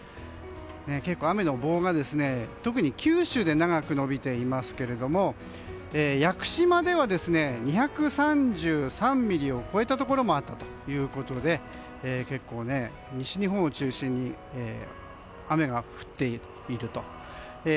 結構、雨の棒が特に九州で長く伸びていますが屋久島では、２３３ミリを超えたところもあったということで結構、西日本を中心に雨が降っていると。